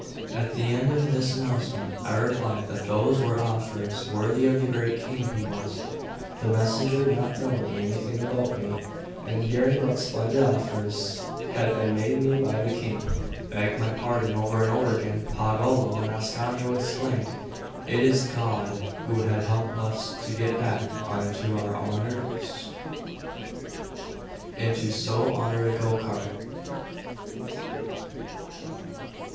At the end of this announcement, I replied that those were offers worthy of the great King he was. The messenger, not knowing anything about me, and hearing what splendid offers had been made me by the King, begged my pardon over and over again. Pagolo and Ascanio exclaimed: "It is God who has helped us to get back into so honoured a go cart!"